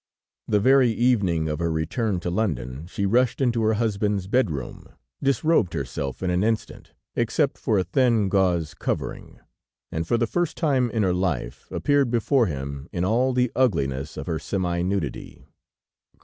The very evening of her return to London, she rushed into her husband's bedroom, disrobed herself in an instant, except for a thin gauze covering, and for the first time in her life appeared before him in all the ugliness of her semi nudity.